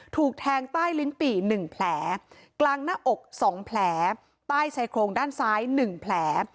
ถูกแทงใต้ลิ้นปี่๑แผลกลางหน้าอก๒แผลใต้ชายโครงด้านซ้าย๑แผล